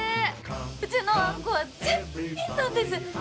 うちのあんこは絶品なんです。